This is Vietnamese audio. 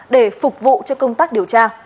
để phục vụ cho công tác điều tra